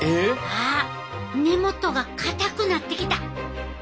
あっ根元がかたくなってきた。